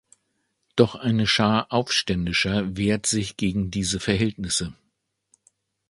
Doch eine Schar Aufständischer wehrt sich gegen diese Verhältnisse.